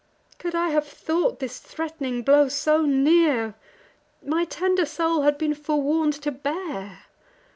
Could I have thought this threat'ning blow so near, My tender soul had been forewarn'd to bear.